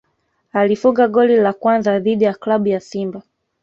alifunga goli la kwanza dhidi ya klabu ya Simba